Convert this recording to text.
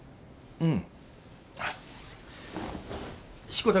うん。